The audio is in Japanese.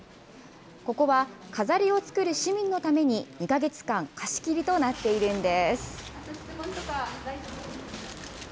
ここは飾りを作る市民のために、２か月間、貸し切りとなっているんです。